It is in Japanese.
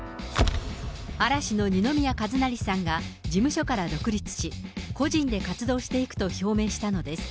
嵐の二宮和也さんが事務所から独立し、個人で活動していくと表明したのです。